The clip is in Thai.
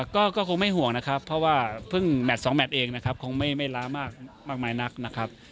ก็คงไม่ห่วงนะครับเพราะว่าเพิ่งแมท๒แมทเองนะครับคงไม่ล้ามากมายนักนะครับ